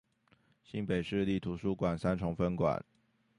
新北市立圖書館三重分館